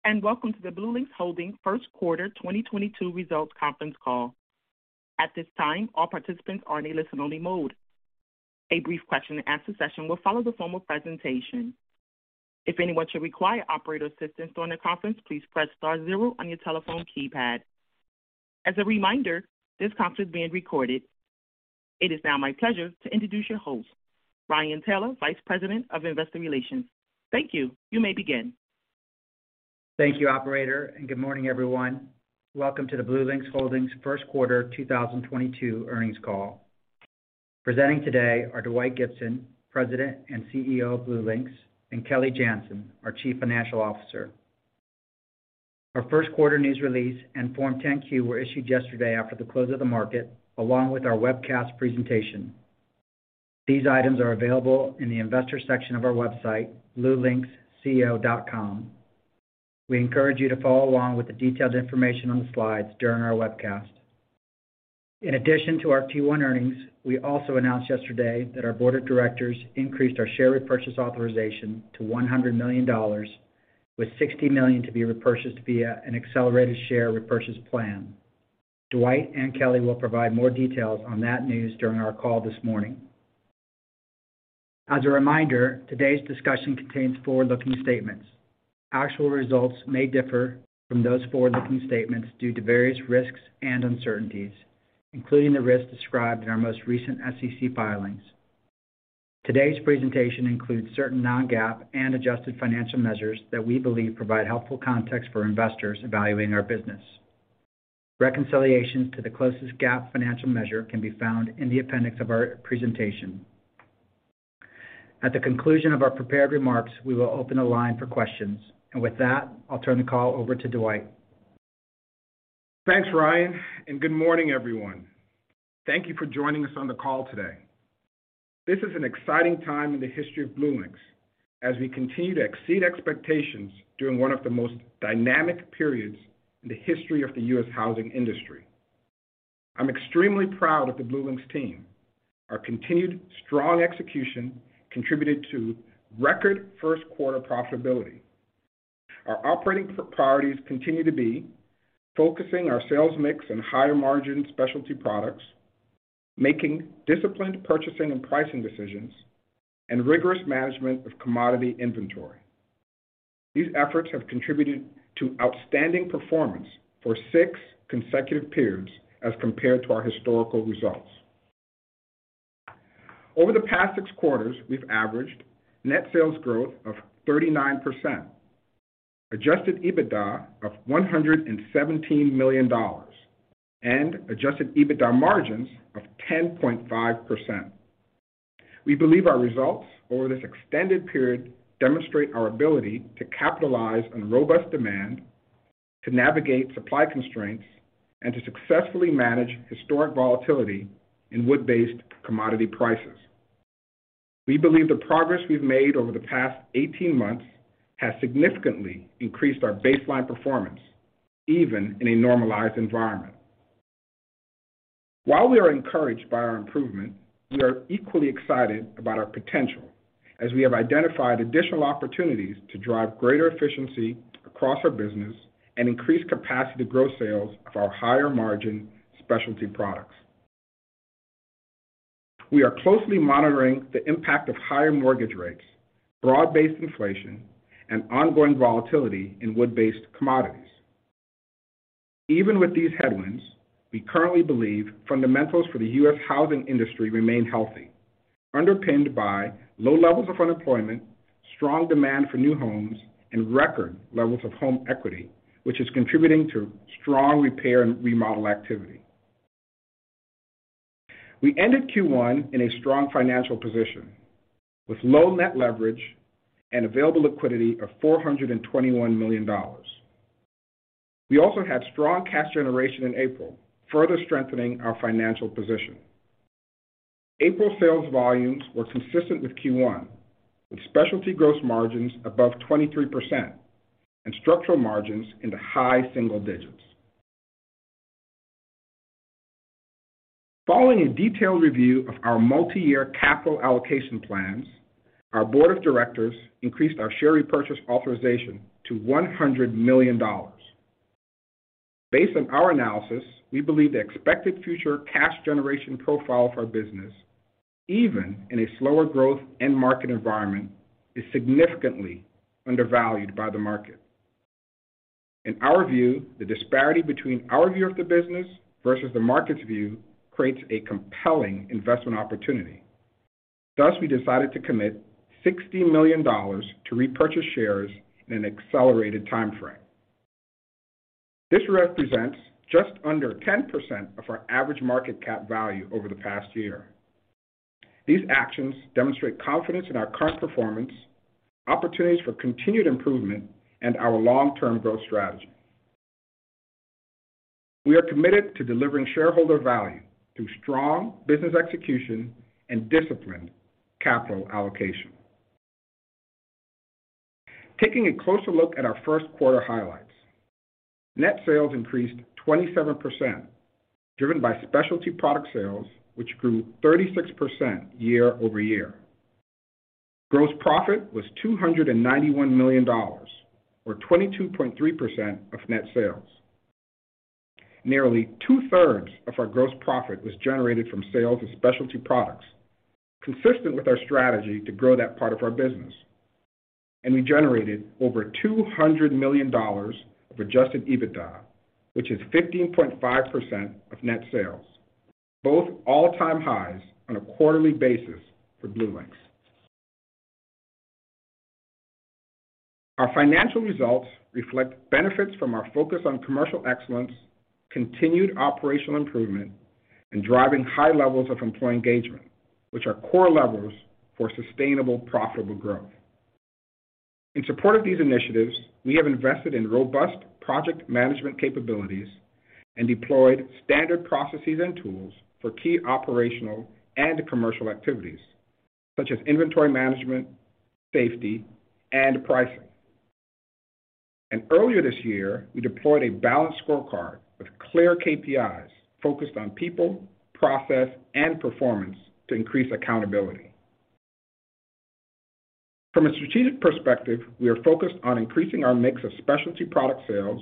Greetings, and welcome to the BlueLinx Holdings first quarter 2022 results conference call. At this time, all participants are in a listen-only mode. A brief question-and-answer session will follow the formal presentation. If anyone should require operator assistance during the conference, please press star zero on your telephone keypad. As a reminder, this conference is being recorded. It is now my pleasure to introduce your host, Ryan Taylor, Vice President of Investor Relations. Thank you. You may begin. Thank you, operator, and good morning, everyone. Welcome to the BlueLinx Holdings first quarter 2022 earnings call. Presenting today are Dwight Gibson, President and CEO of BlueLinx, and Kelly Janzen, our Chief Financial Officer. Our first quarter news release and Form 10-Q were issued yesterday after the close of the market, along with our webcast presentation. These items are available in the investor section of our website, bluelinxco.com. We encourage you to follow along with the detailed information on the slides during our webcast. In addition to our Q1 earnings, we also announced yesterday that our board of directors increased our share repurchase authorization to $100 million, with $60 million to be repurchased via an accelerated share repurchase plan. Dwight and Kelly will provide more details on that news during our call this morning. As a reminder, today's discussion contains forward-looking statements. Actual results may differ from those forward-looking statements due to various risks and uncertainties, including the risks described in our most recent SEC filings. Today's presentation includes certain non-GAAP and adjusted financial measures that we believe provide helpful context for investors evaluating our business. Reconciliation to the closest GAAP financial measure can be found in the appendix of our presentation. At the conclusion of our prepared remarks, we will open the line for questions. With that, I'll turn the call over to Dwight. Thanks, Ryan, and good morning, everyone. Thank you for joining us on the call today. This is an exciting time in the history of BlueLinx as we continue to exceed expectations during one of the most dynamic periods in the history of the U.S. housing industry. I'm extremely proud of the BlueLinx team. Our continued strong execution contributed to record first quarter profitability. Our operating priorities continue to be focusing our sales mix on higher-margin specialty products, making disciplined purchasing and pricing decisions, and rigorous management of commodity inventory. These efforts have contributed to outstanding performance for six consecutive periods as compared to our historical results. Over the past six quarters, we've averaged net sales growth of 39%, Adjusted EBITDA of $117 million, and Adjusted EBITDA margins of 10.5%. We believe our results over this extended period demonstrate our ability to capitalize on robust demand, to navigate supply constraints, and to successfully manage historic volatility in wood-based commodity prices. We believe the progress we've made over the past 18 months has significantly increased our baseline performance, even in a normalized environment. While we are encouraged by our improvement, we are equally excited about our potential as we have identified additional opportunities to drive greater efficiency across our business and increase capacity to grow sales of our higher-margin specialty products. We are closely monitoring the impact of higher mortgage rates, broad-based inflation, and ongoing volatility in wood-based commodities. Even with these headwinds, we currently believe fundamentals for the U.S. housing industry remain healthy, underpinned by low levels of unemployment, strong demand for new homes, and record levels of home equity, which is contributing to strong repair and remodel activity. We ended Q1 in a strong financial position with low net leverage and available liquidity of $421 million. We also had strong cash generation in April, further strengthening our financial position. April sales volumes were consistent with Q1, with specialty gross margins above 23% and structural margins in the high single digits%. Following a detailed review of our multi-year capital allocation plans, our board of directors increased our share repurchase authorization to $100 million. Based on our analysis, we believe the expected future cash generation profile of our business, even in a slower growth end market environment, is significantly undervalued by the market. In our view, the disparity between our view of the business versus the market's view creates a compelling investment opportunity. Thus, we decided to commit $60 million to repurchase shares in an accelerated timeframe. This represents just under 10% of our average market cap value over the past year. These actions demonstrate confidence in our current performance, opportunities for continued improvement, and our long-term growth strategy. We are committed to delivering shareholder value through strong business execution and disciplined capital allocation. Taking a closer look at our first quarter highlights. Net sales increased 27%, driven by specialty product sales, which grew 36% year-over-year. Gross profit was $291 million or 22.3% of net sales. Nearly two-thirds of our gross profit was generated from sales of specialty products, consistent with our strategy to grow that part of our business. We generated over $200 million of Adjusted EBITDA, which is 15.5% of net sales, both all-time highs on a quarterly basis for BlueLinx. Our financial results reflect benefits from our focus on commercial excellence, continued operational improvement, and driving high levels of employee engagement, which are core levers for sustainable profitable growth. In support of these initiatives, we have invested in robust project management capabilities and deployed standard processes and tools for key operational and commercial activities such as inventory management, safety, and pricing. Earlier this year, we deployed a balanced scorecard with clear KPIs focused on people, process, and performance to increase accountability. From a strategic perspective, we are focused on increasing our mix of specialty product sales,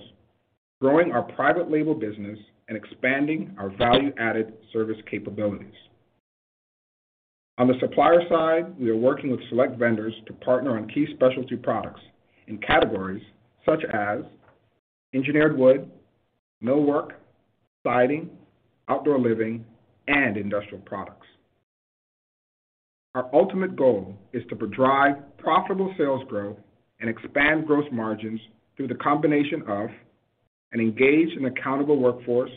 growing our private label business, and expanding our value-added service capabilities. On the supplier side, we are working with select vendors to partner on key specialty products in categories such as engineered wood, millwork, siding, outdoor living, and industrial products. Our ultimate goal is to drive profitable sales growth and expand gross margins through the combination of an engaged and accountable workforce,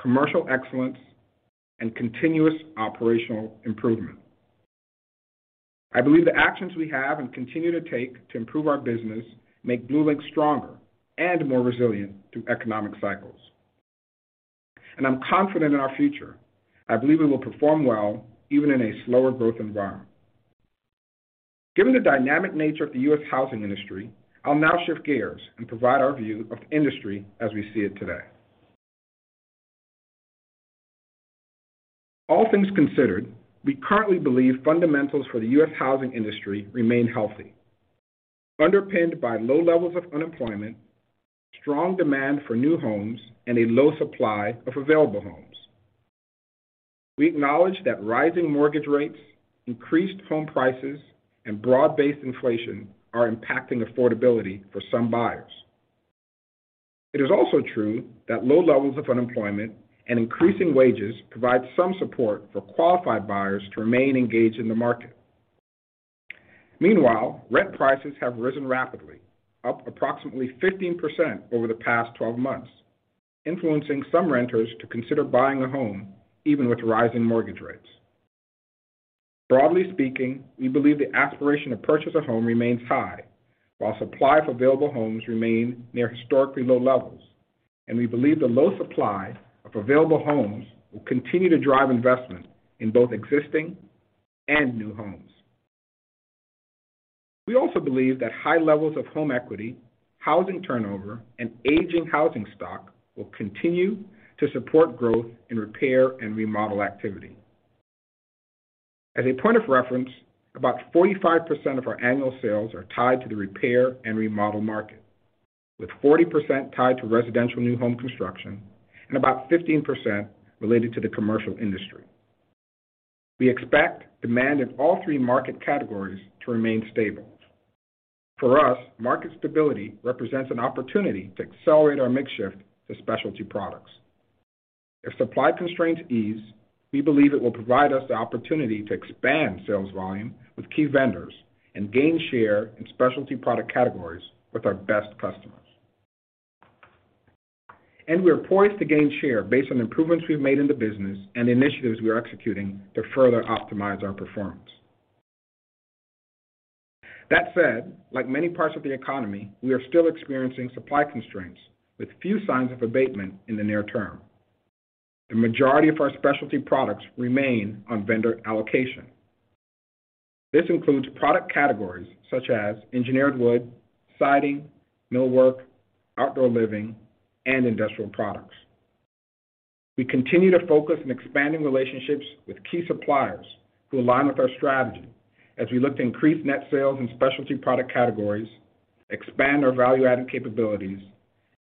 commercial excellence, and continuous operational improvement. I believe the actions we have and continue to take to improve our business make BlueLinx stronger and more resilient through economic cycles. I'm confident in our future. I believe we will perform well even in a slower growth environment. Given the dynamic nature of the U.S. housing industry, I'll now shift gears and provide our view of industry as we see it today. All things considered, we currently believe fundamentals for the U.S. housing industry remain healthy, underpinned by low levels of unemployment, strong demand for new homes, and a low supply of available homes. We acknowledge that rising mortgage rates, increased home prices, and broad-based inflation are impacting affordability for some buyers. It is also true that low levels of unemployment and increasing wages provide some support for qualified buyers to remain engaged in the market. Meanwhile, rent prices have risen rapidly, up approximately 15% over the past 12 months, influencing some renters to consider buying a home even with rising mortgage rates. Broadly speaking, we believe the aspiration to purchase a home remains high while supply for available homes remain near historically low levels. We believe the low supply of available homes will continue to drive investment in both existing and new homes. We also believe that high levels of home equity, housing turnover, and aging housing stock will continue to support growth in repair and remodel activity. As a point of reference, about 45% of our annual sales are tied to the repair and remodel market, with 40% tied to residential new home construction and about 15% related to the commercial industry. We expect demand in all three market categories to remain stable. For us, market stability represents an opportunity to accelerate our mix shift to specialty products. If supply constraints ease, we believe it will provide us the opportunity to expand sales volume with key vendors and gain share in specialty product categories with our best customers. We are poised to gain share based on improvements we've made in the business and initiatives we are executing to further optimize our performance. That said, like many parts of the economy, we are still experiencing supply constraints with few signs of abatement in the near term. The majority of our specialty products remain on vendor allocation. This includes product categories such as engineered wood, siding, millwork, outdoor living, and industrial products. We continue to focus on expanding relationships with key suppliers who align with our strategy as we look to increase net sales in specialty product categories, expand our value-added capabilities,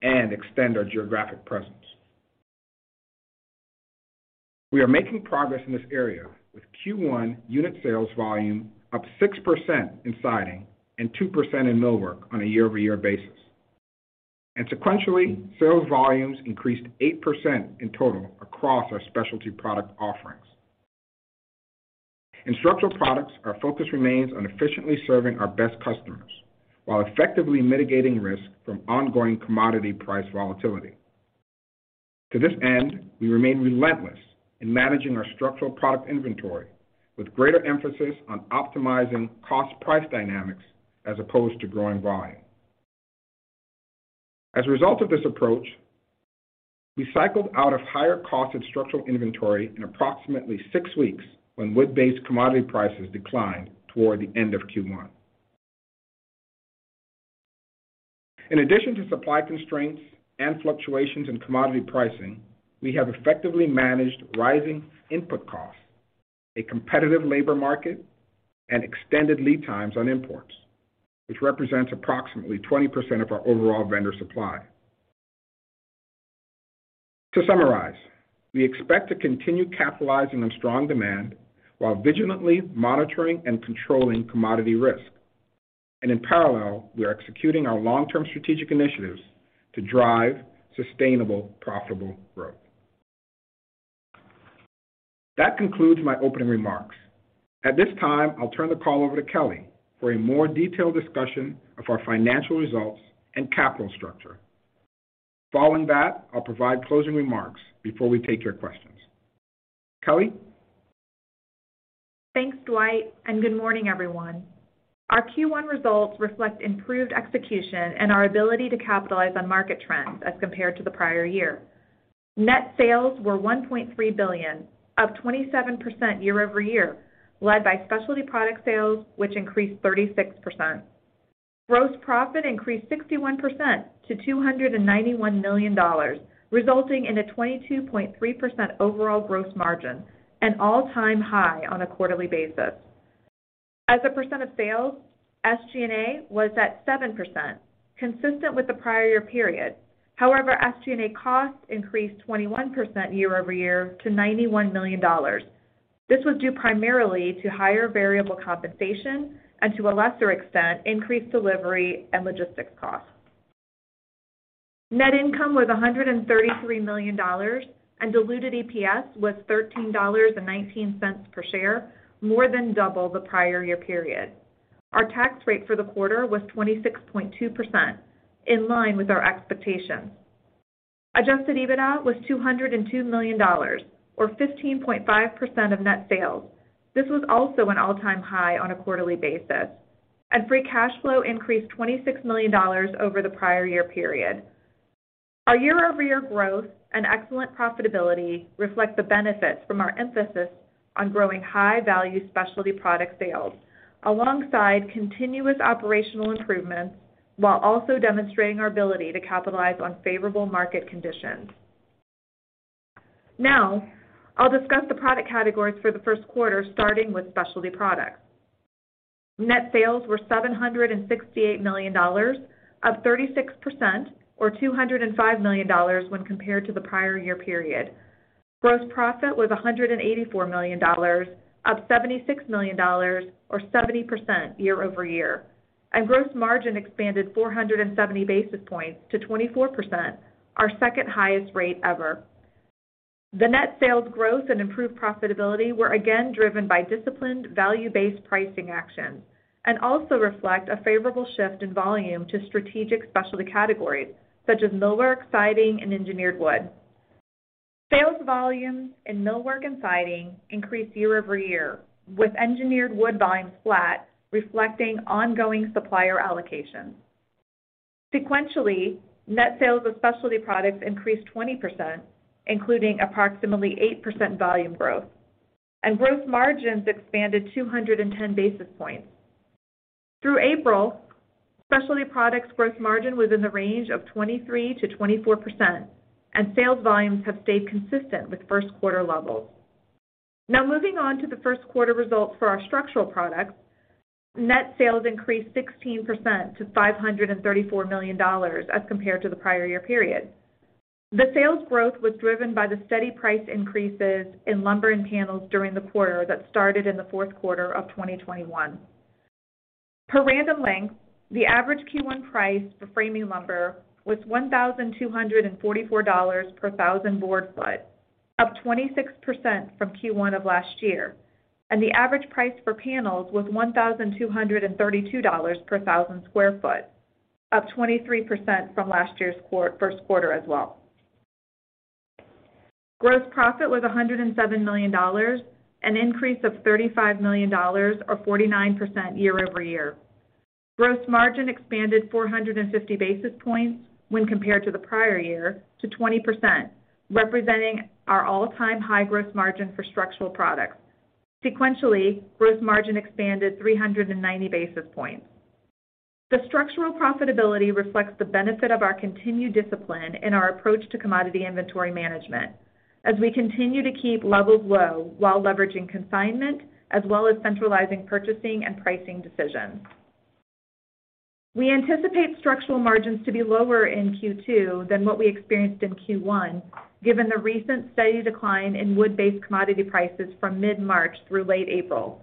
and extend our geographic presence. We are making progress in this area with Q1 unit sales volume up 6% in siding and 2% in millwork on a year-over-year basis. Sequentially, sales volumes increased 8% in total across our specialty product offerings. In structural products, our focus remains on efficiently serving our best customers while effectively mitigating risk from ongoing commodity price volatility. To this end, we remain relentless in managing our structural product inventory with greater emphasis on optimizing cost price dynamics as opposed to growing volume. As a result of this approach. We cycled out of higher cost of structural inventory in approximately six weeks when wood-based commodity prices declined toward the end of Q1. In addition to supply constraints and fluctuations in commodity pricing, we have effectively managed rising input costs, a competitive labor market, and extended lead times on imports, which represents approximately 20% of our overall vendor supply. To summarize, we expect to continue capitalizing on strong demand while vigilantly monitoring and controlling commodity risk. In parallel, we are executing our long-term strategic initiatives to drive sustainable, profitable growth. That concludes my opening remarks. At this time, I'll turn the call over to Kelly for a more detailed discussion of our financial results and capital structure. Following that, I'll provide closing remarks before we take your questions. Kelly? Thanks, Dwight, and good morning, everyone. Our Q1 results reflect improved execution and our ability to capitalize on market trends as compared to the prior year. Net sales were $1.3 billion, up 27% year-over-year, led by specialty product sales, which increased 36%. Gross profit increased 61% to $291 million, resulting in a 22.3% overall gross margin, an all-time high on a quarterly basis. As a percent of sales, SG&A was at 7%, consistent with the prior year period. However, SG&A costs increased 21% year-over-year to $91 million. This was due primarily to higher variable compensation and to a lesser extent, increased delivery and logistics costs. Net income was $133 million, and diluted EPS was $13.19 per share, more than double the prior year period. Our tax rate for the quarter was 26.2%, in line with our expectations. Adjusted EBITDA was $202 million or 15.5% of net sales. This was also an all-time high on a quarterly basis. Free cash flow increased $26 million over the prior year period. Our year-over-year growth and excellent profitability reflect the benefits from our emphasis on growing high-value specialty product sales alongside continuous operational improvements while also demonstrating our ability to capitalize on favorable market conditions. Now, I'll discuss the product categories for the first quarter, starting with specialty products. Net sales were $768 million, up 36% or $205 million when compared to the prior year period. Gross profit was $184 million, up $76 million or 70% year-over-year. Gross margin expanded 470 basis points to 24%, our second-highest rate ever. The net sales growth and improved profitability were again driven by disciplined value-based pricing actions and also reflect a favorable shift in volume to strategic specialty categories such as millwork, siding, and engineered wood. Sales volumes in millwork and siding increased year-over-year, with engineered wood volumes flat, reflecting ongoing supplier allocations. Sequentially, net sales of specialty products increased 20%, including approximately 8% volume growth, and gross margins expanded 210 basis points. Through April, specialty products growth margin was in the range of 23%-24%, and sales volumes have stayed consistent with first quarter levels. Now moving on to the first quarter results for our structural products. Net sales increased 16% to $534 million as compared to the prior year period. The sales growth was driven by the steady price increases in lumber and panels during the quarter that started in the fourth quarter of 2021. Per Random Lengths, the average Q1 price for framing lumber was $1,244 per thousand board feet, up 26% from Q1 of last year. The average price for panels was $1,232 per thousand square feet, up 23% from last year's first quarter as well. Gross profit was $107 million, an increase of $35 million or 49% year-over-year. Gross margin expanded 450 basis points when compared to the prior year to 20%, representing our all-time high gross margin for structural products. Sequentially, gross margin expanded 390 basis points. The structural profitability reflects the benefit of our continued discipline in our approach to commodity inventory management as we continue to keep levels low while leveraging consignment as well as centralizing purchasing and pricing decisions. We anticipate structural margins to be lower in Q2 than what we experienced in Q1, given the recent steady decline in wood-based commodity prices from mid-March through late April.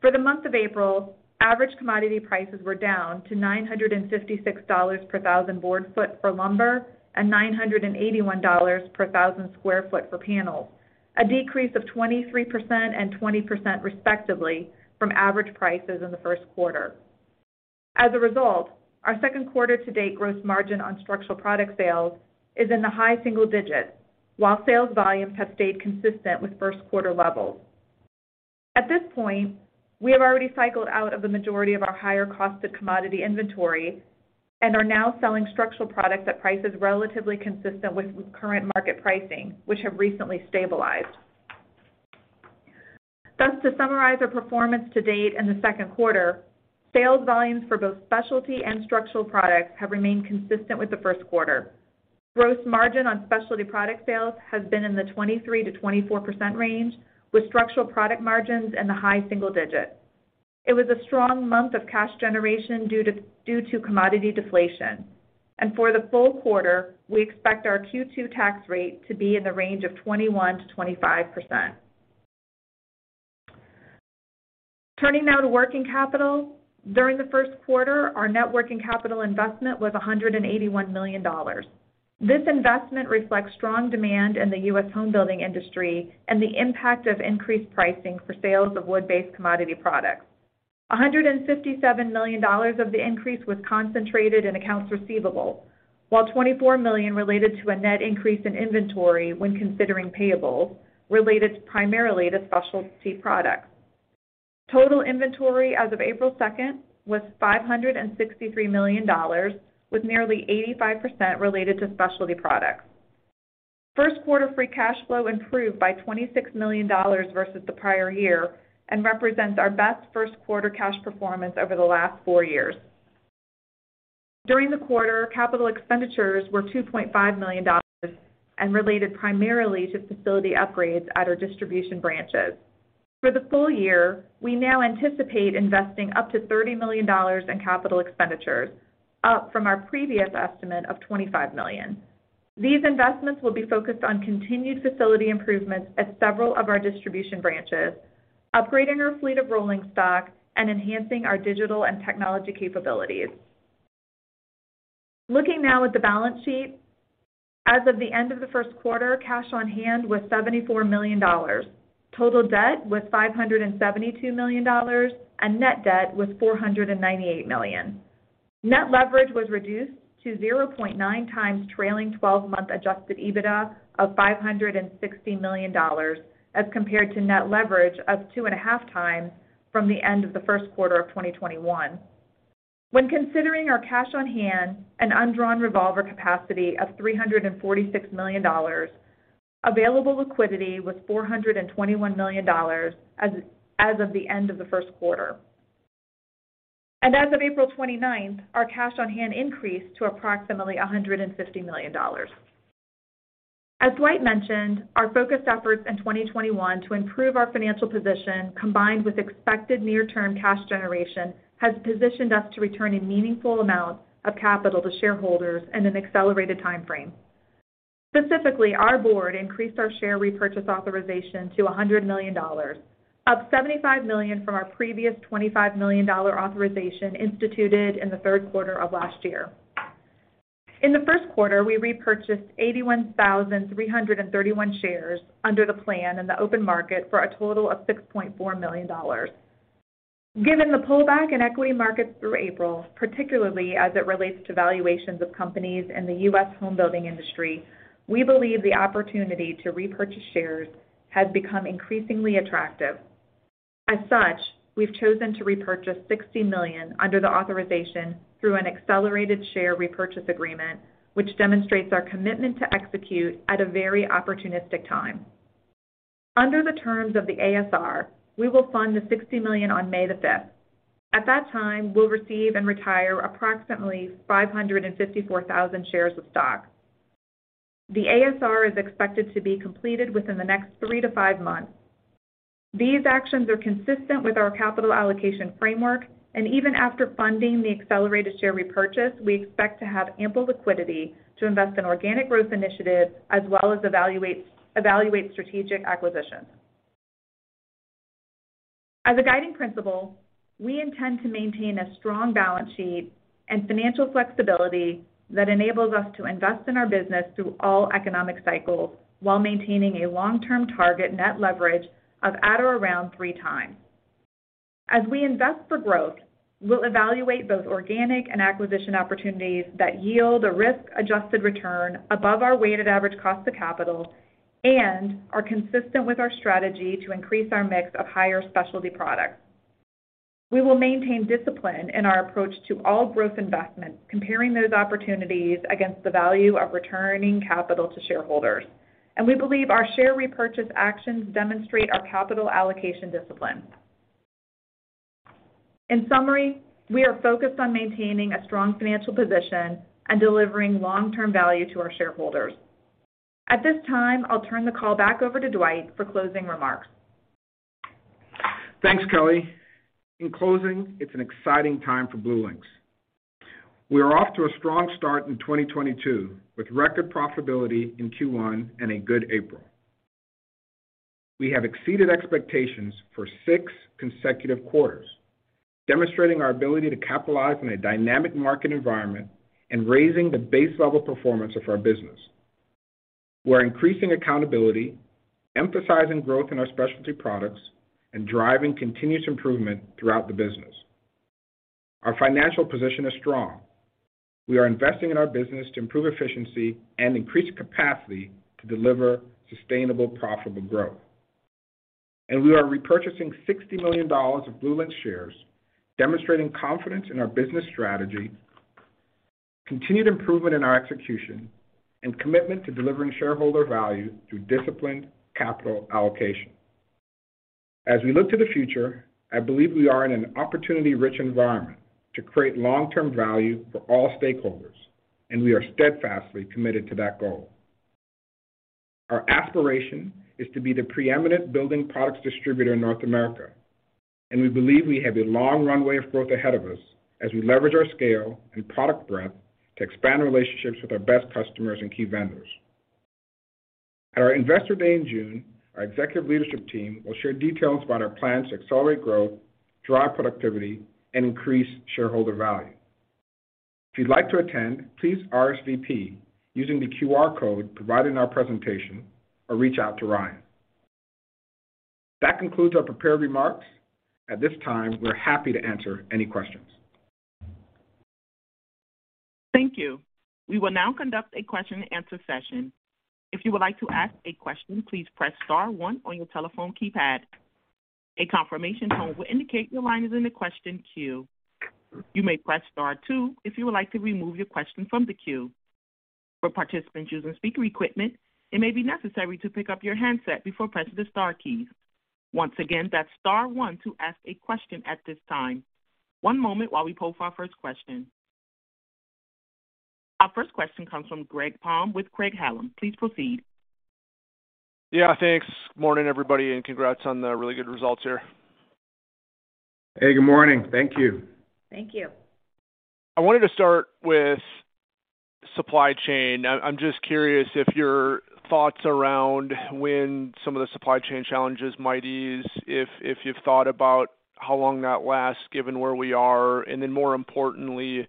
For the month of April, average commodity prices were down to $956 per thousand board feet for lumber and $981 per thousand square feet for panels, a decrease of 23% and 20%, respectively, from average prices in the first quarter. As a result, our second quarter to date gross margin on structural product sales is in the high single digits, while sales volumes have stayed consistent with first quarter levels. At this point, we have already cycled out of the majority of our higher cost of commodity inventory and are now selling structural products at prices relatively consistent with current market pricing, which have recently stabilized. Thus, to summarize our performance to date in the second quarter, sales volumes for both specialty and structural products have remained consistent with the first quarter. Gross margin on specialty product sales has been in the 23%-24% range, with structural product margins in the high single digits. It was a strong month of cash generation due to commodity deflation. For the full quarter, we expect our Q2 tax rate to be in the range of 21%-25%. Turning now to working capital. During the first quarter, our net working capital investment was $181 million. This investment reflects strong demand in the U.S. home building industry and the impact of increased pricing for sales of wood-based commodity products. $157 million of the increase was concentrated in accounts receivable, while $24 million related to a net increase in inventory when considering payables related primarily to specialty products. Total inventory as of April 2 was $563 million, with nearly 85% related to specialty products. First quarter free cash flow improved by $26 million versus the prior year and represents our best first quarter cash performance over the last four years. During the quarter, capital expenditures were $2.5 million and related primarily to facility upgrades at our distribution branches. For the full year, we now anticipate investing up to $30 million in capital expenditures, up from our previous estimate of $25 million. These investments will be focused on continued facility improvements at several of our distribution branches, upgrading our fleet of rolling stock, and enhancing our digital and technology capabilities. Looking now at the balance sheet. As of the end of the first quarter, cash on hand was $74 million. Total debt was $572 million, and net debt was $498 million. Net leverage was reduced to 0.9 times trailing twelve-month Adjusted EBITDA of $560 million as compared to net leverage of 2.5 times from the end of the first quarter of 2021. When considering our cash on hand and undrawn revolver capacity of $346 million, available liquidity was $421 million as of the end of the first quarter. As of April 29, our cash on hand increased to approximately $150 million. As Dwight mentioned, our focused efforts in 2021 to improve our financial position, combined with expected near-term cash generation, has positioned us to return a meaningful amount of capital to shareholders in an accelerated time frame. Specifically, our board increased our share repurchase authorization to $100 million, up $75 million from our previous $25 million authorization instituted in the third quarter of last year. In the first quarter, we repurchased 81,331 shares under the plan in the open market for a total of $6.4 million. Given the pullback in equity markets through April, particularly as it relates to valuations of companies in the U.S. home building industry, we believe the opportunity to repurchase shares has become increasingly attractive. As such, we've chosen to repurchase $60 million under the authorization through an accelerated share repurchase agreement, which demonstrates our commitment to execute at a very opportunistic time. Under the terms of the ASR, we will fund the $60 million on May 5. At that time, we'll receive and retire approximately 554,000 shares of stock. The ASR is expected to be completed within the next three to five months. These actions are consistent with our capital allocation framework, and even after funding the accelerated share repurchase, we expect to have ample liquidity to invest in organic growth initiatives as well as evaluate strategic acquisitions. As a guiding principle, we intend to maintain a strong balance sheet and financial flexibility that enables us to invest in our business through all economic cycles while maintaining a long-term target net leverage of at or around 3x. As we invest for growth, we'll evaluate both organic and acquisition opportunities that yield a risk-adjusted return above our weighted average cost of capital and are consistent with our strategy to increase our mix of higher specialty products. We will maintain discipline in our approach to all growth investments, comparing those opportunities against the value of returning capital to shareholders. We believe our share repurchase actions demonstrate our capital allocation discipline. In summary, we are focused on maintaining a strong financial position and delivering long-term value to our shareholders. At this time, I'll turn the call back over to Dwight for closing remarks. Thanks, Kelly. In closing, it's an exciting time for BlueLinx. We are off to a strong start in 2022 with record profitability in Q1 and a good April. We have exceeded expectations for six consecutive quarters, demonstrating our ability to capitalize in a dynamic market environment and raising the base-level performance of our business. We're increasing accountability, emphasizing growth in our specialty products, and driving continuous improvement throughout the business. Our financial position is strong. We are investing in our business to improve efficiency and increase capacity to deliver sustainable profitable growth. We are repurchasing $60 million of BlueLinx shares, demonstrating confidence in our business strategy, continued improvement in our execution, and commitment to delivering shareholder value through disciplined capital allocation. As we look to the future, I believe we are in an opportunity-rich environment to create long-term value for all stakeholders, and we are steadfastly committed to that goal. Our aspiration is to be the preeminent building products distributor in North America, and we believe we have a long runway of growth ahead of us as we leverage our scale and product breadth to expand relationships with our best customers and key vendors. At our Investor Day in June, our executive leadership team will share details about our plans to accelerate growth, drive productivity, and increase shareholder value. If you'd like to attend, please RSVP using the QR code provided in our presentation or reach out to Ryan. That concludes our prepared remarks. At this time, we're happy to answer any questions. Thank you. We will now conduct a question-and-answer session. If you would like to ask a question, please press star one on your telephone keypad. A confirmation tone will indicate your line is in the question queue. You may press star two if you would like to remove your question from the queue. For participants using speaker equipment, it may be necessary to pick up your handset before pressing the star keys. Once again, that's star one to ask a question at this time. One moment while we poll for our first question. Our first question comes from Greg Palm with Craig-Hallum. Please proceed. Yeah, thanks. Morning, everybody, and congrats on the really good results here. Hey, good morning. Thank you. Thank you. I wanted to start with supply chain. I'm just curious about your thoughts around when some of the supply chain challenges might ease. If you've thought about how long that lasts given where we are, and then more importantly,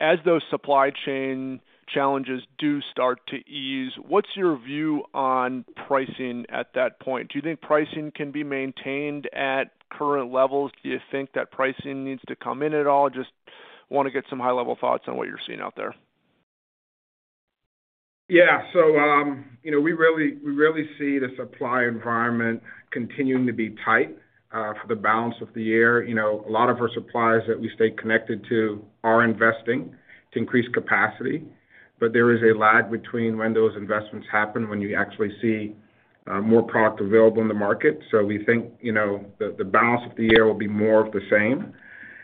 as those supply chain challenges do start to ease, what's your view on pricing at that point? Do you think pricing can be maintained at current levels? Do you think that pricing needs to come in at all? Just wanna get some high-level thoughts on what you're seeing out there. Yeah. We really see the supply environment continuing to be tight for the balance of the year. You know, a lot of our suppliers that we stay connected to are investing to increase capacity. There is a lag between when those investments happen, when you actually see more product available in the market. We think, you know, the balance of the year will be more of the same.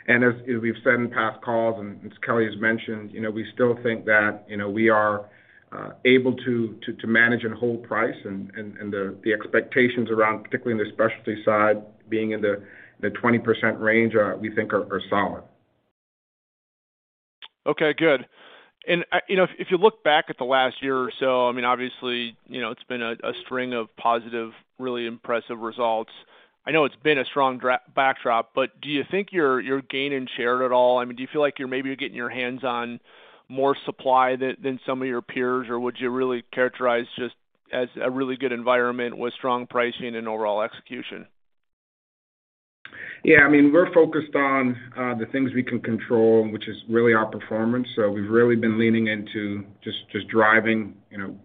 As we've said in past calls and as Kelly has mentioned, you know, we still think that, you know, we are able to manage and hold price and the expectations around, particularly in the specialty side, being in the 20% range are, we think, solid. Okay, good. You know, if you look back at the last year or so, I mean, obviously, you know, it's been a string of positive, really impressive results. I know it's been a strong backdrop, but do you think you're gaining share at all? I mean, do you feel like you're maybe getting your hands on more supply than some of your peers? Or would you really characterize just as a really good environment with strong pricing and overall execution? Yeah, I mean, we're focused on the things we can control, which is really our performance. We've really been leaning into just driving, you know,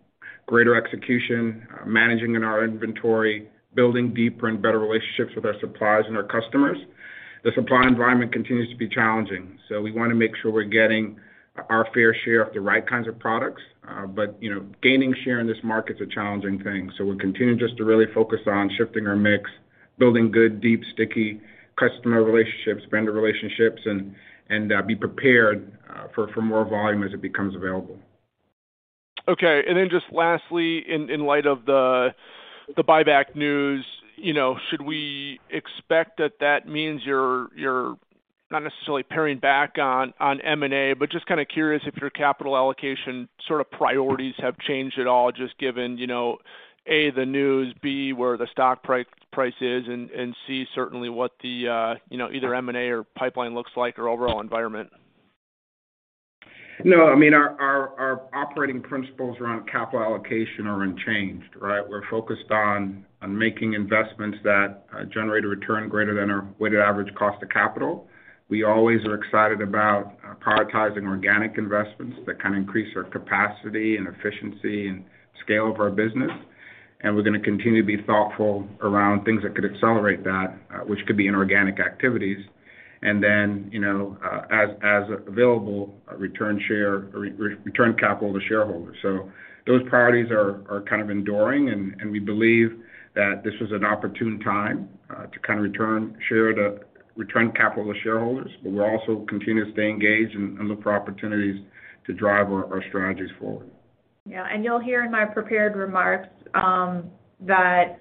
greater execution, managing our inventory, building deeper and better relationships with our suppliers and our customers. The supply environment continues to be challenging, so we wanna make sure we're getting our fair share of the right kinds of products. You know, gaining share in this market is a challenging thing. We're continuing just to really focus on shifting our mix, building good, deep, sticky customer relationships, vendor relationships, and be prepared for more volume as it becomes available. Okay. Just lastly, in light of the buyback news, you know, should we expect that means you're not necessarily paring back on M&A, but just kinda curious if your capital allocation sort of priorities have changed at all, just given, you know, A, the news, B, where the stock price is, and C, certainly what the, you know, either M&A or pipeline looks like or overall environment. No, I mean, our operating principles around capital allocation are unchanged, right? We're focused on making investments that generate a return greater than our weighted average cost of capital. We always are excited about prioritizing organic investments that can increase our capacity and efficiency and scale of our business. We're gonna continue to be thoughtful around things that could accelerate that, which could be inorganic activities. Then, you know, as available, return capital to shareholders. Those priorities are kind of enduring, and we believe that this was an opportune time to kinda return capital to shareholders, but we'll also continue to stay engaged and look for opportunities to drive our strategies forward. Yeah. You'll hear in my prepared remarks that,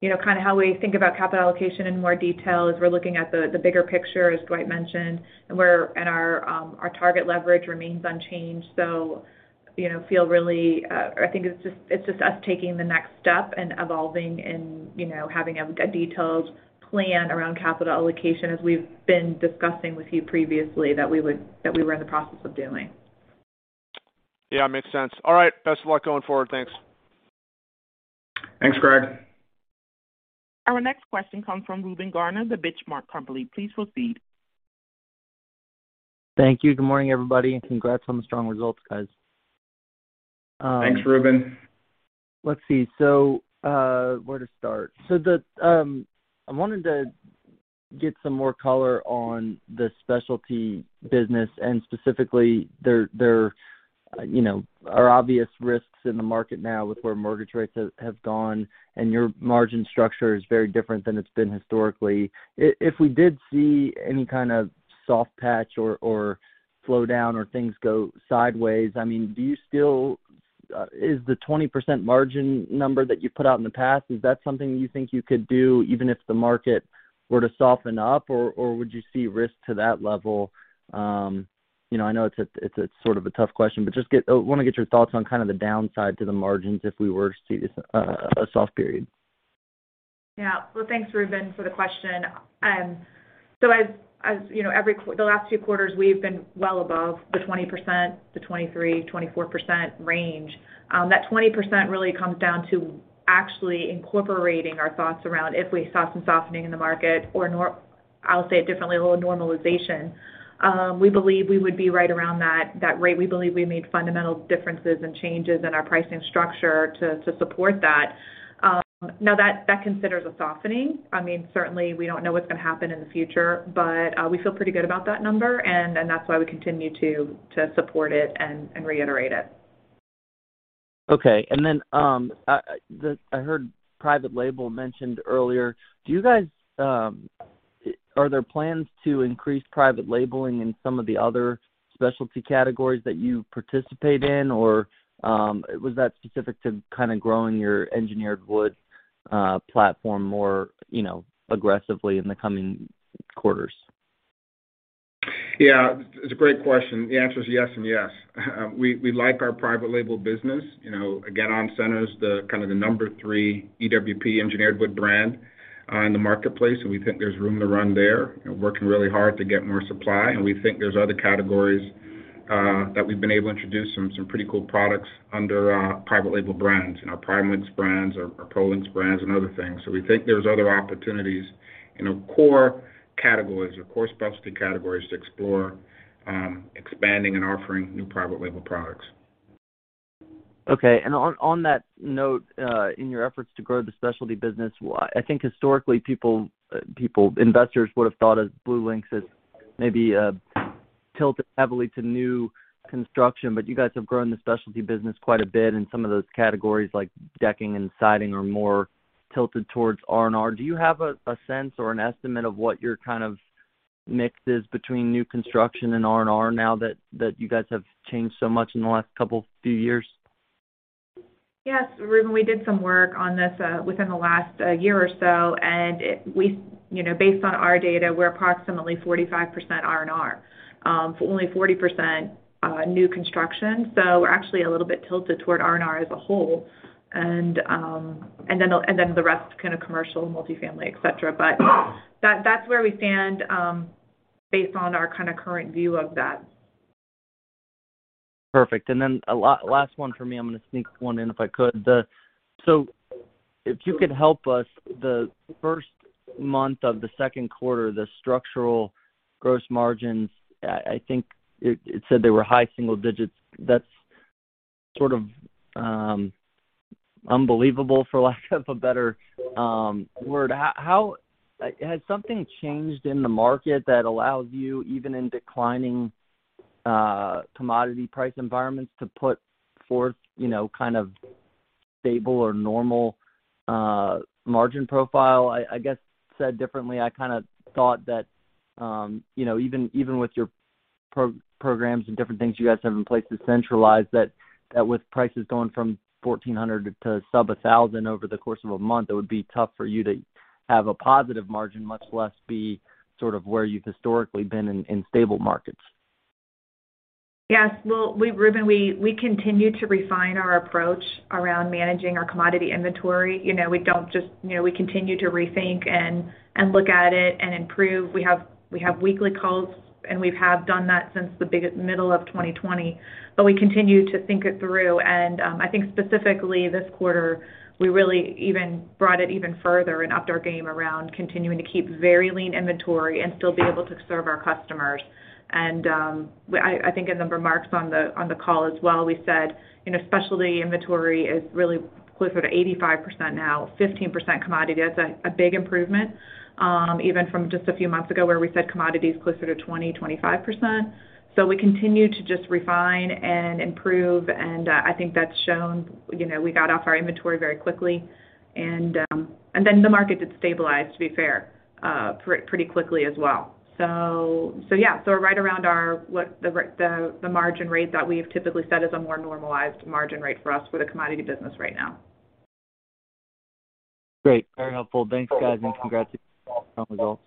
you know, kinda how we think about capital allocation in more detail as we're looking at the bigger picture, as Dwight mentioned. Our target leverage remains unchanged. You know, feel really, I think it's just us taking the next step and evolving and, you know, having a detailed plan around capital allocation as we've been discussing with you previously that we were in the process of doing. Yeah, makes sense. All right. Best of luck going forward. Thanks. Thanks, Craig. Our next question comes from Reuben Garner with The Benchmark Company. Please proceed. Thank you. Good morning, everybody, and congrats on the strong results, guys. Thanks, Reuben. Let's see. Where to start? I wanted to get some more color on the specialty business and specifically there, you know, are obvious risks in the market now with where mortgage rates have gone, and your margin structure is very different than it's been historically. If we did see any kind of soft patch or slowdown or things go sideways, I mean, is the 20% margin number that you put out in the past, is that something you think you could do even if the market were to soften up? Or would you see risk to that level? You know, I know it's a, it's sort of a tough question, but just wanna get your thoughts on kind of the downside to the margins if we were to see this, a soft period. Yeah. Well, thanks, Reuben, for the question. So as you know, the last few quarters, we've been well above the 20% to 23-24% range. That 20% really comes down to actually incorporating our thoughts around if we saw some softening in the market or I'll say it differently, a little normalization. We believe we would be right around that rate. We believe we made fundamental differences and changes in our pricing structure to support that. Now that considers a softening. I mean, certainly we don't know what's gonna happen in the future, but we feel pretty good about that number, and then that's why we continue to support it and reiterate it. Okay. I heard private label mentioned earlier. Do you guys, are there plans to increase private labeling in some of the other specialty categories that you participate in? Or, was that specific to kinda growing your engineered wood platform more aggressively in the coming quarters? Yeah, it's a great question. The answer is yes and yes. We like our private label business. You know, again, OnCENTER's the kind of the number three EWP, engineered wood brand, in the marketplace, and we think there's room to run there. We're working really hard to get more supply, and we think there's other categories that we've been able to introduce some pretty cool products under private label brands, in our PrimeLinx brands, our PROLinx brands, and other things. We think there's other opportunities in our core categories or core specialty categories to explore expanding and offering new private label products. Okay. On that note, in your efforts to grow the specialty business, I think historically, people investors would have thought of BlueLinx as maybe tilted heavily to new construction, but you guys have grown the specialty business quite a bit in some of those categories like decking and siding are more tilted towards R&R. Do you have a sense or an estimate of what your kind of mix is between new construction and R&R now that you guys have changed so much in the last couple few years? Yes, Reuben. We did some work on this, within the last year or so, you know, based on our data, we're approximately 45% R&R. Only 40% new construction. We're actually a little bit tilted toward R&R as a whole. The rest kind of commercial, multifamily, et cetera. That's where we stand, based on our kind of current view of that. Perfect. Last one for me. I'm gonna sneak one in if I could. If you could help us, the first month of the second quarter, the structural gross margins, I think it said they were high single digits%. That's sort of unbelievable, for lack of a better word. Has something changed in the market that allows you, even in declining commodity price environments, to put forth, you know, kind of stable or normal margin profile? I guess said differently, I kinda thought that, you know, even with your programs and different things you guys have in place to centralize that with prices going from $1,400 to sub-$1,000 over the course of a month, it would be tough for you to have a positive margin, much less be sort of where you've historically been in stable markets. Yes. Well, Reuben, we continue to refine our approach around managing our commodity inventory. You know, we continue to rethink and look at it and improve. We have weekly calls, and we have done that since the middle of 2020. We continue to think it through. I think specifically this quarter, we really even brought it even further and upped our game around continuing to keep very lean inventory and still be able to serve our customers. I think in the remarks on the call as well, we said, you know, specialty inventory is really closer to 85% now, 15% commodity. That's a big improvement, even from just a few months ago where we said commodity is closer to 20%-25%. We continue to just refine and improve, and I think that's shown. You know, we got off our inventory very quickly and then the market did stabilize, to be fair, pretty quickly as well. Yeah. Right around the margin rate that we've typically set is a more normalized margin rate for us for the commodity business right now. Great. Very helpful. Thanks, guys, and congrats on the results.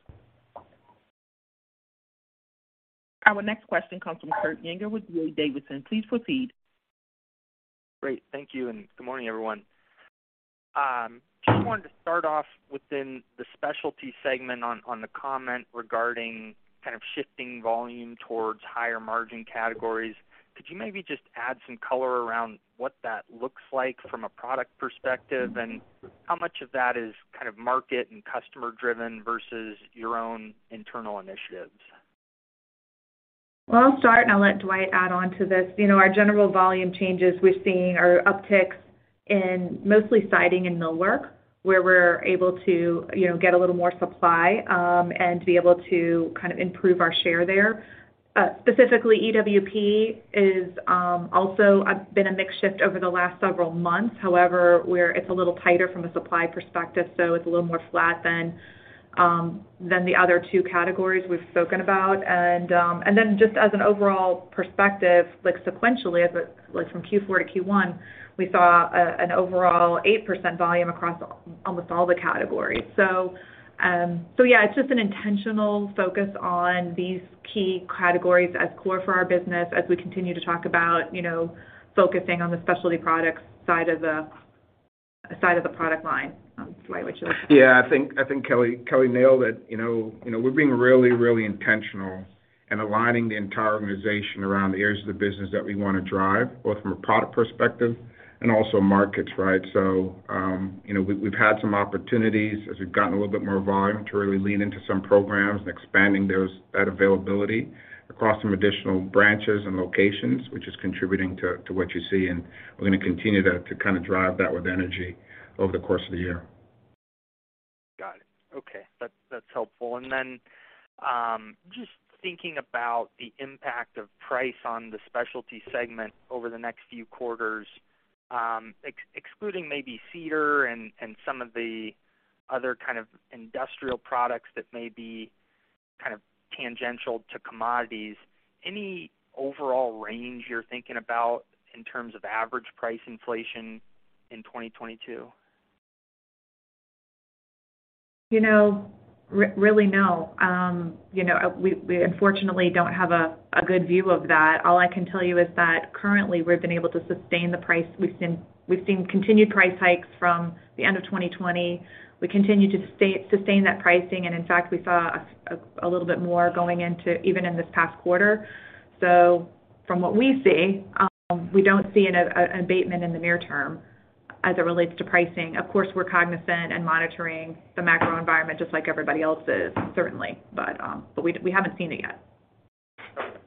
Our next question comes from Kurt Yinger with D.A. Davidson. Please proceed. Great. Thank you, and good morning, everyone. I just wanted to start off within the specialty segment on the comment regarding kind of shifting volume towards higher margin categories. Could you maybe just add some color around what that looks like from a product perspective? How much of that is kind of market and customer driven versus your own internal initiatives? Well, I'll start, and I'll let Dwight add on to this. You know, our general volume changes we're seeing are upticks in mostly siding and millwork, where we're able to, you know, get a little more supply, and be able to kind of improve our share there. Specifically EWP is also been a mix shift over the last several months. However, it's a little tighter from a supply perspective, so it's a little more flat than the other two categories we've spoken about. Then just as an overall perspective, like sequentially like from Q4 to Q1, we saw an overall 8% volume across almost all the categories. Yeah, it's just an intentional focus on these key categories as core for our business as we continue to talk about, you know, focusing on the specialty products side of the product line. Dwight, would you like to? Yeah. I think Kelly nailed it. You know, we're being really intentional in aligning the entire organization around the areas of the business that we wanna drive, both from a product perspective and also markets, right? You know, we've had some opportunities as we've gotten a little bit more volume to really lean into some programs and expanding those, that availability across some additional branches and locations, which is contributing to what you see. We're gonna continue that to kinda drive that with energy over the course of the year. Got it. Okay. That's helpful. Then, just thinking about the impact of price on the specialty segment over the next few quarters, excluding maybe cedar and some of the other kind of industrial products that may be kind of tangential to commodities, any overall range you're thinking about in terms of average price inflation in 2022? You know, really, no. You know, we unfortunately don't have a good view of that. All I can tell you is that currently we've been able to sustain the price we've seen. We've seen continued price hikes from the end of 2020. We continue to sustain that pricing, and in fact, we saw a little bit more going into even in this past quarter. So from what we see, we don't see an abatement in the near term as it relates to pricing. Of course, we're cognizant and monitoring the macro environment just like everybody else is, certainly, but we haven't seen it yet. Okay.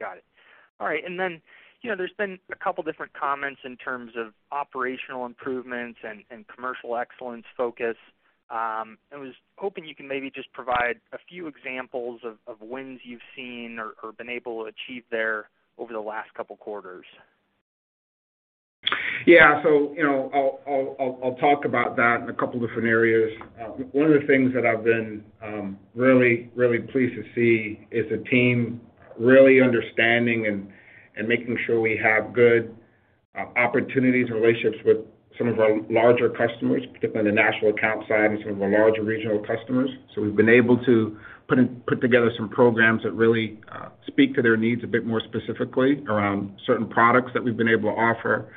Got it. All right. You know, there's been a couple different comments in terms of operational improvements and commercial excellence focus. I was hoping you can maybe just provide a few examples of wins you've seen or been able to achieve there over the last couple quarters. Yeah. You know, I'll talk about that in a couple different areas. One of the things that I've been really pleased to see is the team really understanding and making sure we have good opportunities and relationships with some of our larger customers, particularly on the national account side and some of our larger regional customers. We've been able to put together some programs that really speak to their needs a bit more specifically around certain products that we've been able to offer,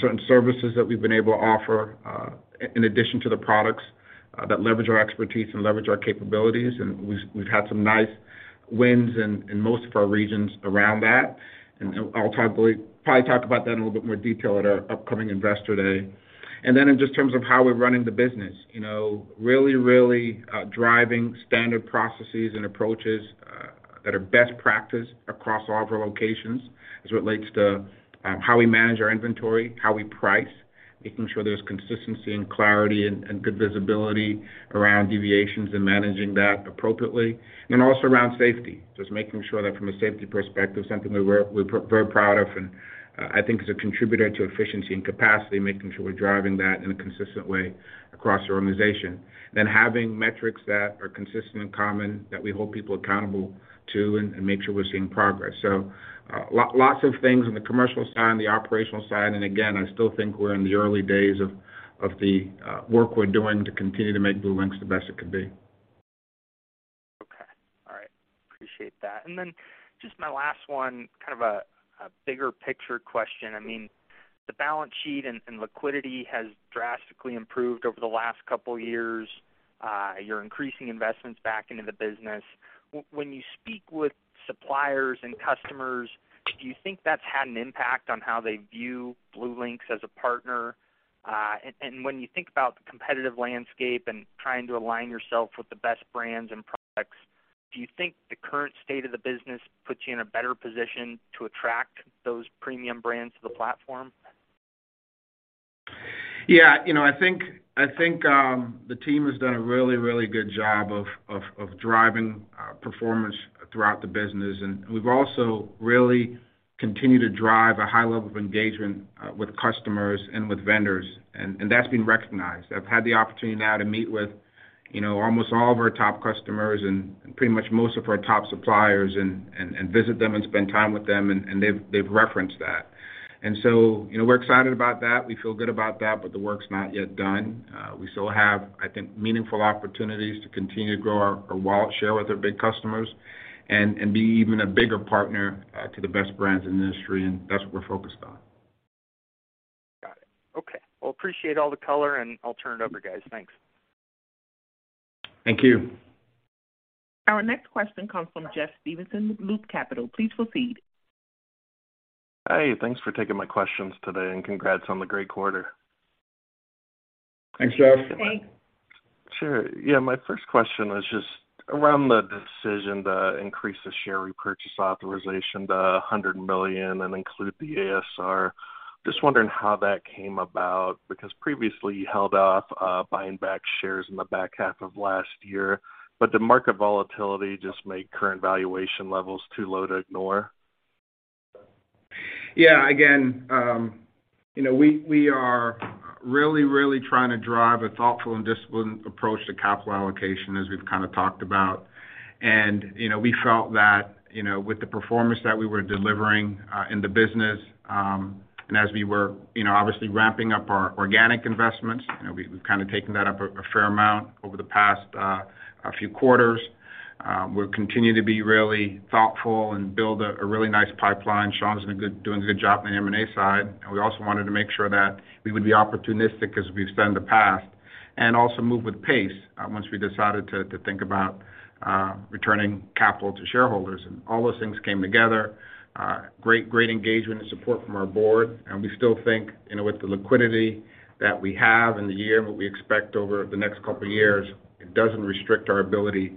certain services that we've been able to offer, in addition to the products, that leverage our expertise and leverage our capabilities. We've had some nice wins in most of our regions around that. I'll probably talk about that in a little bit more detail at our upcoming Investor Day. In terms of how we're running the business, you know, really driving standard processes and approaches that are best practice across all of our locations as it relates to how we manage our inventory, how we price, making sure there's consistency and clarity and good visibility around deviations and managing that appropriately. Then also around safety, just making sure that from a safety perspective, something we're very proud of and I think is a contributor to efficiency and capacity, making sure we're driving that in a consistent way across the organization. Having metrics that are consistent and common that we hold people accountable to and make sure we're seeing progress. Lots of things on the commercial side and the operational side, and again, I still think we're in the early days of the work we're doing to continue to make BlueLinx the best it can be. Okay. All right. Appreciate that. Just my last one, kind of a bigger picture question. I mean, the balance sheet and liquidity has drastically improved over the last couple years. You're increasing investments back into the business. When you speak with suppliers and customers, do you think that's had an impact on how they view BlueLinx as a partner? When you think about the competitive landscape and trying to align yourself with the best brands and products, do you think the current state of the business puts you in a better position to attract those premium brands to the platform? Yeah. You know, I think the team has done a really good job of driving performance throughout the business. We've also really continued to drive a high level of engagement with customers and with vendors, and that's been recognized. I've had the opportunity now to meet with you know almost all of our top customers and pretty much most of our top suppliers and visit them and spend time with them, and they've referenced that. You know, we're excited about that. We feel good about that, but the work's not yet done. We still have, I think, meaningful opportunities to continue to grow our wallet share with our big customers and be even a bigger partner to the best brands in the industry, and that's what we're focused on. Appreciate all the color, and I'll turn it over, guys. Thanks. Thank you. Our next question comes from Jeffrey Stevenson with Loop Capital. Please proceed. Hi. Thanks for taking my questions today, and congrats on the great quarter. Thanks, Jeff. Thanks. Sure. Yeah, my first question was just around the decision to increase the share repurchase authorization to $100 million and include the ASR. Just wondering how that came about, because previously you held off buying back shares in the back half of last year, but the market volatility just made current valuation levels too low to ignore. Yeah, again, you know, we are really trying to drive a thoughtful and disciplined approach to capital allocation as we've kinda talked about. You know, we felt that, you know, with the performance that we were delivering in the business, and as we were, you know, obviously ramping up our organic investments, you know, we've kinda taken that up a fair amount over the past a few quarters. We'll continue to be really thoughtful and build a really nice pipeline. Sean is doing a good job on the M&A side. We also wanted to make sure that we would be opportunistic as we've been in the past and also move with pace once we decided to think about returning capital to shareholders. All those things came together. Great engagement and support from our board, and we still think, you know, with the liquidity that we have in the year, what we expect over the next couple of years, it doesn't restrict our ability to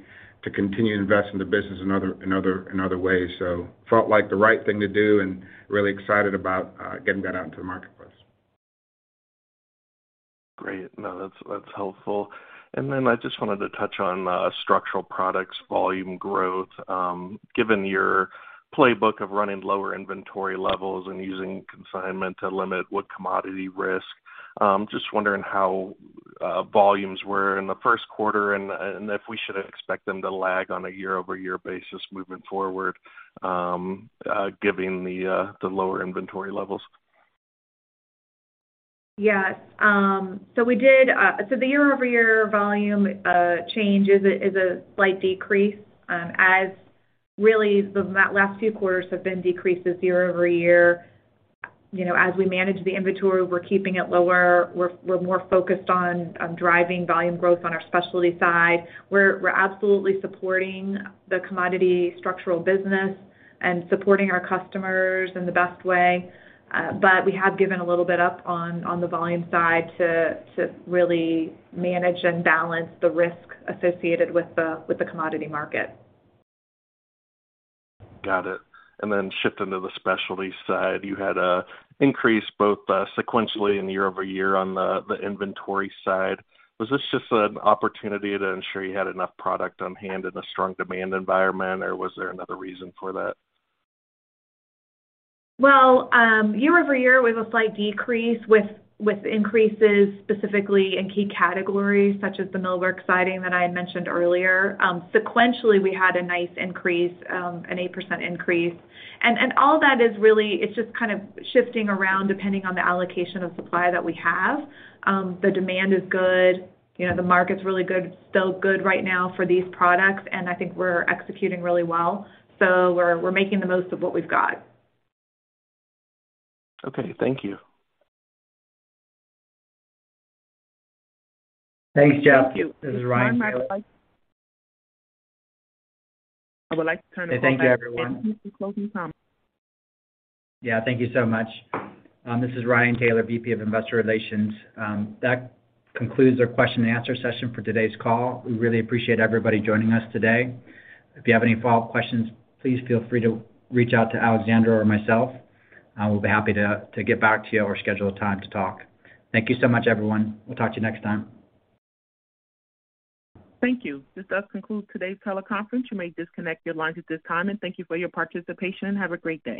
continue to invest in the business in other ways. Felt like the right thing to do and really excited about getting that out into the marketplace. Great. No, that's helpful. Then I just wanted to touch on structural products volume growth. Given your playbook of running lower inventory levels and using consignment to limit the commodity risk, just wondering how volumes were in the first quarter and if we should expect them to lag on a year-over-year basis moving forward, given the lower inventory levels. Yeah. The year-over-year volume change is a slight decrease, as really that last few quarters have been decreases year-over-year. You know, as we manage the inventory, we're keeping it lower. We're more focused on driving volume growth on our specialty side. We're absolutely supporting the commodity structural business and supporting our customers in the best way. But we have given a little bit up on the volume side to really manage and balance the risk associated with the commodity market. Got it. Shifting to the specialty side, you had an increase both sequentially and year-over-year on the inventory side. Was this just an opportunity to ensure you had enough product on hand in a strong demand environment, or was there another reason for that? Well, year-over-year, we have a slight decrease with increases specifically in key categories such as the millwork siding that I had mentioned earlier. Sequentially, we had a nice increase, an 8% increase. All that is really, it's just kind of shifting around depending on the allocation of supply that we have. The demand is good. You know, the market's really good, still good right now for these products, and I think we're executing really well. We're making the most of what we've got. Okay. Thank you. Thanks, Jeff. Thank you. This is Ryan Taylor. I would like to turn the call back. Thank you, everyone. This is the closing comment. Yeah. Thank you so much. This is Ryan Taylor, VP of Investor Relations. That concludes our question and answer session for today's call. We really appreciate everybody joining us today. If you have any follow-up questions, please feel free to reach out to Alexandra or myself. I will be happy to get back to you or schedule a time to talk. Thank you so much, everyone. We'll talk to you next time. Thank you. This does conclude today's teleconference. You may disconnect your lines at this time. Thank you for your participation, and have a great day.